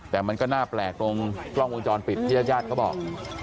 แต่มันก็หน้าแปลกตรงกล้องวงจรปิดที่ญาติก็บอก